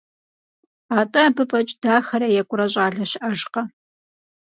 Атӏэ абы фӏэкӏ дахэрэ екӏурэ щӏалэ щыӏэжкъэ?